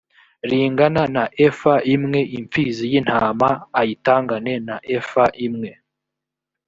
ringana na efa imwe imfizi y’intama ayitangane na efa imwe